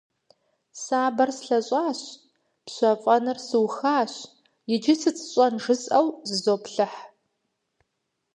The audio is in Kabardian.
Сабэр слъэщӏащ, пщэфӏэныр сухащ, иджы сыт сщӏэн жысӏэу зызоплъыхь.